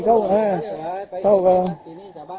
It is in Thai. เหลืองเท้าอย่างนั้น